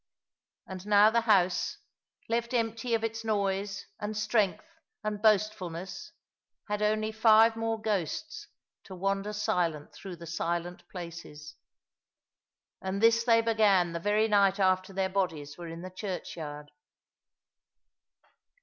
And now the house, left empty of its noise, and strength, and boastfulness, had only five more ghosts to wander silent through the silent places. And this they began the very night after their bodies were in the churchyard.